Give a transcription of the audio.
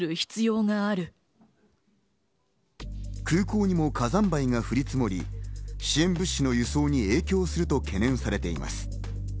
空港にも火山灰が降り積もり、支援物資の輸送に影響すると懸念されています。